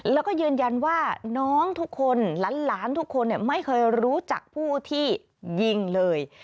แล้วก็ยืนยันว่าน้องทุกคนหลานทุกคนไม่เคยรู้จักผู้ที่ยิงเลย